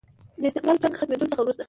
د استقلال جنګ ختمېدلو څخه وروسته.